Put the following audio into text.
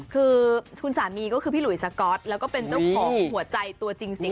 คือคุณสามีก็คือพี่หลุยสก๊อตแล้วก็เป็นเจ้าของหัวใจตัวจริง